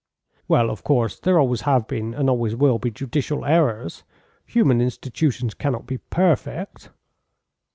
"Well, of course there always have been and always will be judicial errors. Human institutions cannot be perfect."